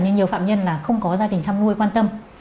nhưng nhiều phạm nhân là không có gia đình thăm nuôi quan tâm